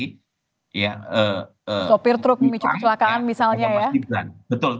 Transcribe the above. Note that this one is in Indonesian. sopir truk memicu kecelakaan misalnya ya